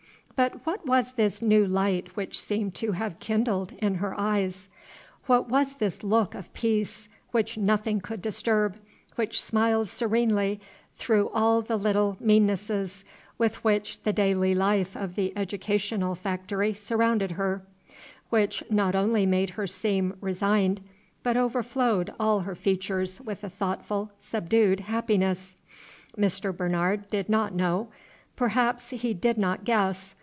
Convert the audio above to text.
But what was this new light which seemed to have kindled in her eyes? What was this look of peace, which nothing could disturb, which smiled serenely through all the little meannesses with which the daily life of the educational factory surrounded her, which not only made her seem resigned, but overflowed all her features with a thoughtful, subdued happiness? Mr. Bernard did not know, perhaps he did not guess.